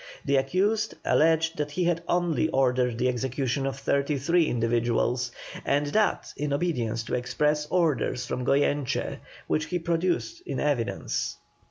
The accused alleged that he had only ordered the execution of thirty three individuals, and that in obedience to express orders from Goyeneche, which he produced in evidence.